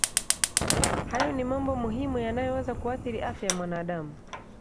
Hayo ni mambo muhimu yanayoweza kuathiri afya ya mwanadamu